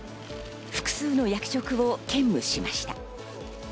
複数の役職を兼務しました。